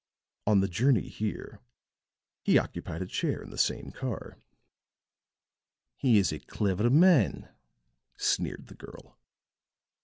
On the journey here, he occupied a chair in the same car." "He is a clever man," sneered the girl.